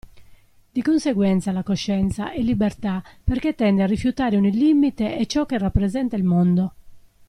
Di conseguenza la coscienza è libertà perché tende a rifiutare ogni limite e ciò che rappresenta il mondo.